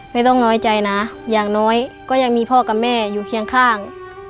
ต้องน้อยใจนะอย่างน้อยก็ยังมีพ่อกับแม่อยู่เคียงข้าง